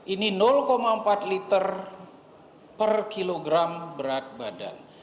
ini empat liter per kilogram berat badan